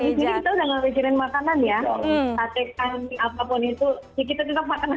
kita sudah tidak memikirkan makanan ya